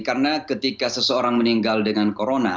karena ketika seseorang meninggal dengan corona